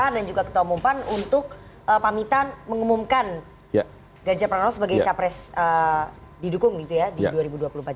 dan juga ketua umum pan untuk pamitan mengumumkan ganjar pranono sebagai capres didukung di dua ribu dua puluh empat